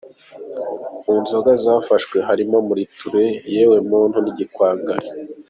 Mu nzoga zafashwe harimo Muriture, Yewemuntu n’Igikwangari.